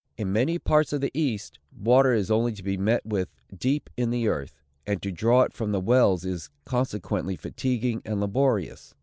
In many parts of the east, water is only to be met with deep in the earth, and to draw it from the wells is, consequently, fatiguing and laborious.